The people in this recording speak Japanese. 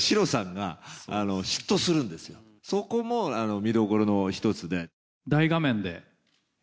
そこも見どころの一つで。